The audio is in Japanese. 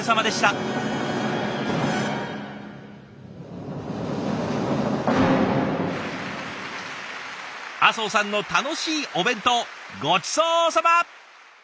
阿相さんの楽しいお弁当ごちそうさま！